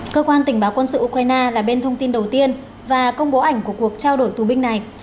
cơ quan tình báo quân sự ukraine là bên thông tin đầu tiên và công bố ảnh của cuộc trao đổi tù binh này